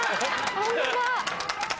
ホントだ。